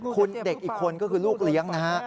คุณเด็กอีกคนก็คือลูกเลี้ยงนะฮะ